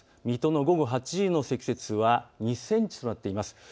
水戸の午後８時の積雪は２センチとなっています。